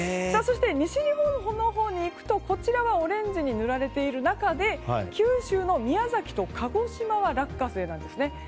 そして西日本のほうに行くとこちらはオレンジに塗られている中で九州の宮崎と鹿児島は落花生なんですね。